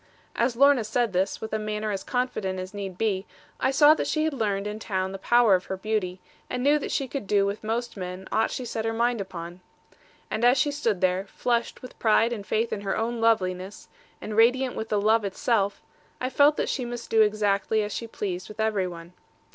As Lorna said this, with a manner as confident as need be, I saw that she had learned in town the power of her beauty, and knew that she could do with most men aught she set her mind upon. And as she stood there, flushed with pride and faith in her own loveliness, and radiant with the love itself, I felt that she must do exactly as she pleased with every one.